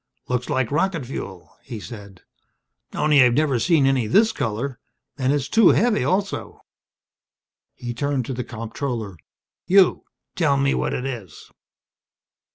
"Looks like rocket fuel," he said. "Only I've never seen any this color. And it's too heavy, also." He turned to the comptroller. "You tell me what it is."